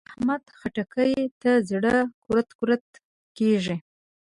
د احمد؛ خټکي ته زړه کورت کورت کېږي.